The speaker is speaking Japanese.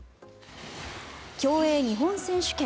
競泳日本選手権。